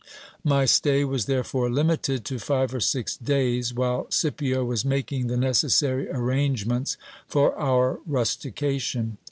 My stay was therefore limited to five or six days, while Scipio was making the necessary arrangements for our rustication.